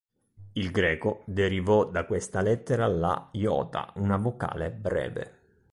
Il greco derivò da questa lettera la iota, una vocale breve.